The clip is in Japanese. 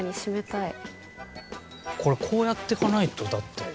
これこうやってかないとだって。